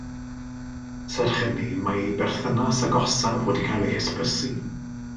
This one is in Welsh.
Serch hynny mae ei berthynas agosaf wedi cael ei hysbysu.